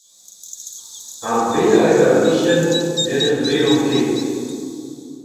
ha bezañ en ur gichen, n'en em welomp ket